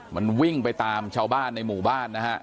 มันวิ่งไปตามชาวบ้านในหมู่บ้านนะฮะ